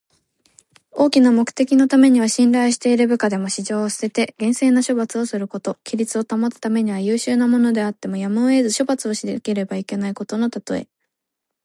大きな目的のためには信頼している部下でも、私情を捨てて、厳正な処分をすること。規律を保つためには、優秀な者であってもやむを得ず処罰しなければならないことのたとえ。「馬謖」は中国の三国時代の人の名前。「泣いて馬謖を斬る」とも読み、この形で使うことが多い言葉。